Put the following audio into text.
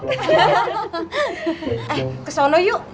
eh ke sana yuk